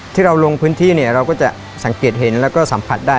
ที่เราลงพื้นที่เนี่ยเราก็จะสังเกตเห็นแล้วก็สัมผัสได้